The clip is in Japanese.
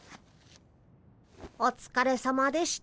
おつかれさまでした。